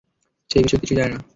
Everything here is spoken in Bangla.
সে এই বিষয়ে কিছুই জানে না।